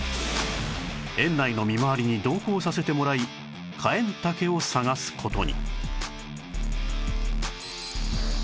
園内の見回りに同行させてもらいカエンタケを探す事に